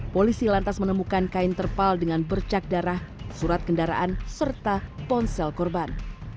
polisi lantas menemukan kain terpal dengan bercak darah surat kendaraan serta ponsel korban